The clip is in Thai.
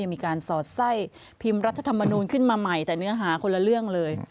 มีการสอดไส้พิมพ์รัฐธรรมนูลขึ้นมาใหม่แต่เนื้อหาคนละเรื่องเลย